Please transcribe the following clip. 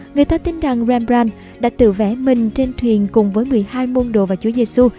người ta tin rằng rembrandt đã tự vẽ mình trên thuyền cùng với một mươi hai môn đồ và chúa giê xu